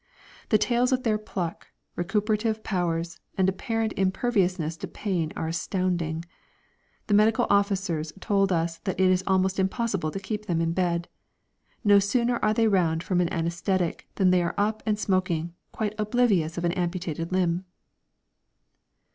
The tales of their pluck, recuperative powers, and apparent imperviousness to pain are astounding. The medical officers told us that it is almost impossible to keep them in bed. No sooner are they round from an anæsthetic than they are up and smoking, quite oblivious of an amputated limb!